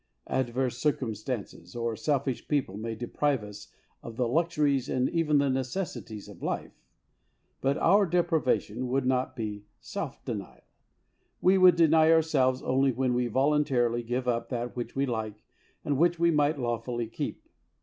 Adverse circumstances or selfish people may deprive us of the luxuries and even of the necessities of life. But our deprivation would not be self denial. We deny ourselves only when we voluntarily give up that which we like, and which we might lawfully keep.